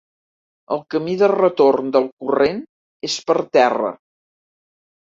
El camí de retorn del corrent és per terra.